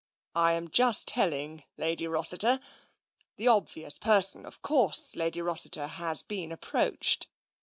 " I am just telling Lady Rossiter. The obvious person, of course. Lady Rossiter, has been approached.